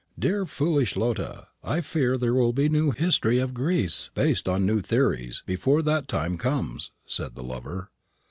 "Dear foolish Lotta, I fear there will be a new history of Greece, based on new theories, before that time comes," said the lover.